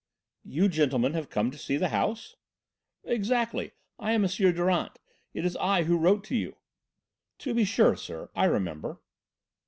"You gentlemen have come to see the house?" "Exactly. I am M. Durant. It is I who wrote to you." "To be sure, sir, I remember."